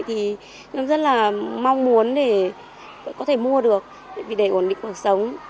thì rất là mong muốn để có thể mua được để đẩy ổn định cuộc sống